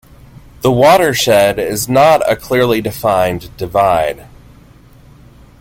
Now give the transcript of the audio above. The watershed is not a clearly defined divide.